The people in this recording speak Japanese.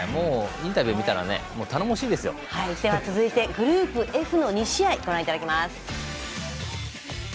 インタビューを見たらねでは続いてグループＦの２試合をご覧いただきます。